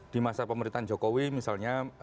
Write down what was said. di masa pemerintahan jokowi misalnya